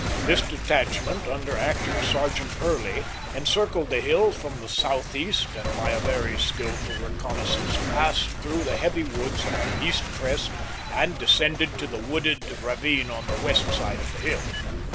This detachment, under Acting Sergeant Early, encircled the hill from the southeast and by a very skilful reconnais sance passed through the heavy woods on the east crest and descended to the wooded ravine on the west side of the hill.